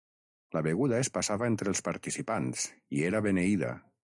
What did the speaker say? La beguda es passava entre els participants i era beneïda.